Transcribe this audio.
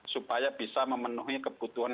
supaya bisa memenuhi kebutuhan